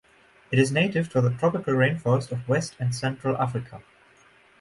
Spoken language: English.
It is native to the tropical rainforests of West and Central Africa.